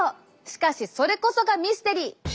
しかしそれこそがミステリー！